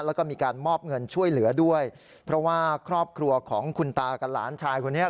แล้วก็มีการมอบเงินช่วยเหลือด้วยเพราะว่าครอบครัวของคุณตากับหลานชายคนนี้